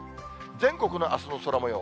全国のあすの空もよう。